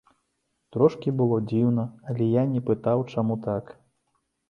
Трошкі было дзіўна, але я не пытаў, чаму так.